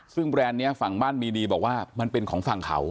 ซึ่งแบรนด์นี้ฝั่งบ้านมีดีบอกว่ามันเป็นของฝั่งเขา